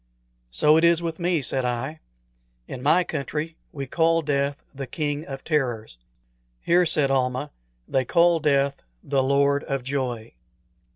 "So it is with me," said I. "In my country we call death the King of Terrors." "Here," said Almah, "they call death the Lord of Joy."